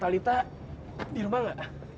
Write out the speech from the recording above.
talitha di rumah gak